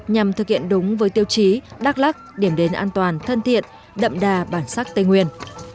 nhằm thực hiện đúng với tiêu chí đắk lắc điểm đến an toàn thân thiện đậm đà bản sắc tây nguyên